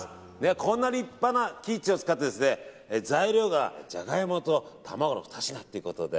こんな立派なキッチンを使って材料がジャガイモと卵２品ということで。